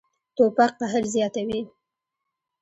توپک قهر زیاتوي.